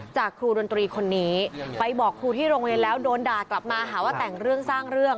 จากครูดนตรีคนนี้ไปบอกครูที่โรงเรียนแล้วโดนด่ากลับมาหาว่าแต่งเรื่องสร้างเรื่อง